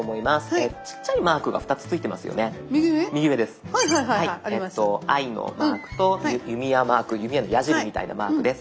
ｉのマークと弓矢マーク弓矢の矢じりみたいなマークです。